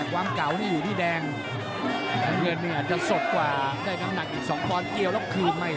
ความเก่านี่อยู่ที่แดงมันอาจจะสดกว่าได้กำหนักอีกสองบอลเกลียวแล้วคืนไหม